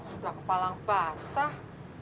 sudah kepala basah